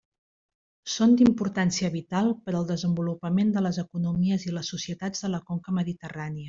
Són d'importància vital per al desenvolupament de les economies i les societats de la conca mediterrània.